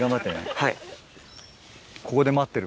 はい。